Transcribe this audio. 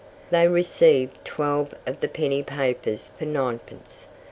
They received twelve of the penny papers for ninepence.